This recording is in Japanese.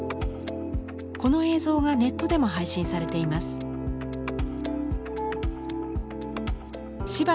この映像がネットでも配信されています。